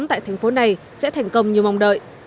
tại thành phố này sẽ thành công như mong đợi